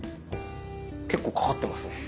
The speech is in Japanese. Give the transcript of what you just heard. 結構かかってますね。